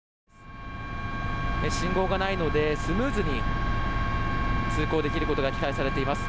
信号がないのでスムーズに通行できることが期待されています。